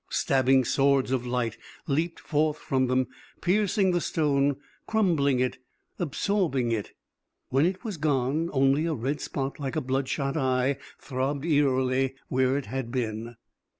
Stabbing swords of light leaped forth from them, piercing the stone, crumbling it, absorbing it. When it was gone, only a red spot, like a bloodshot eye, throbbed eerily where it had been.